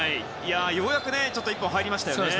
ようやく１本入りましたね。